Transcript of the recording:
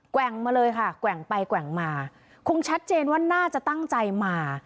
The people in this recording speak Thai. แว่งมาเลยค่ะแกว่งไปแกว่งมาคงชัดเจนว่าน่าจะตั้งใจมา